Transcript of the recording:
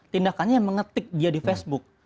tindakannya mengetik dia di facebook